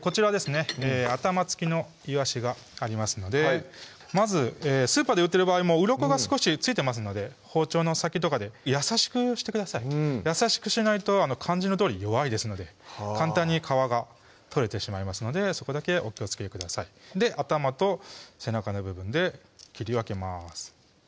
こちらですね頭付きのいわしがありますのでまずスーパーで売ってる場合うろこが少し付いてますので包丁の先とかで優しくしてください優しくしないと漢字のとおり弱いですので簡単に皮が取れてしまいますのでそこだけお気をつけください頭と背中の部分で切り分けます